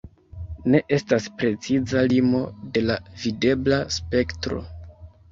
Ne estas preciza limo de la videbla spektro.